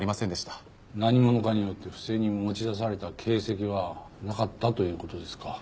何者かによって不正に持ち出された形跡はなかったという事ですか。